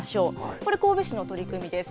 これ、神戸市の取り組みです。